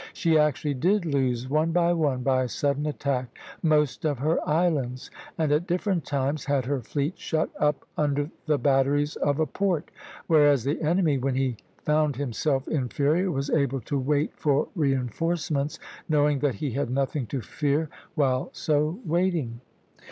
She actually did lose one by one, by sudden attack, most of her islands, and at different times had her fleet shut up under the batteries of a port; whereas the enemy, when he found himself inferior, was able to wait for reinforcements, knowing that he had nothing to fear while so waiting.